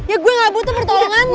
ya gue gak butuh pertolongan